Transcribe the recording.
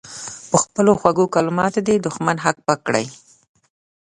په خپلو خوږو کلماتو دې دښمن هک پک کړي.